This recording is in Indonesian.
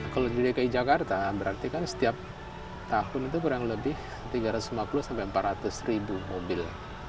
kalau di dki jakarta berarti kan setiap tahun itu kurang lebih tiga ratus lima puluh sampai empat ratus ribu mobil